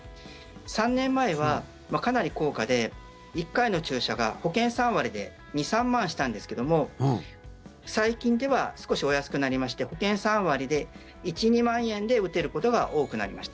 ３年前はかなり高価で１回の注射が保険３割で２３万したんですけども最近では少しお安くなりまして保険３割で１２万円で打てることが多くなりました。